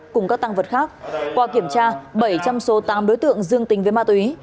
cùng các tăng vật khác qua kiểm tra bảy trong số tám đối tượng dương tình với ma túy